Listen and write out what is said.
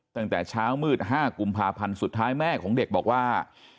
ตั้งแต่เช้ามืด๕กุมภาพันธ์สุดท้ายแม่ของเด็กบอกว่า